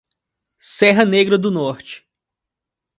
Serra Negra do Norte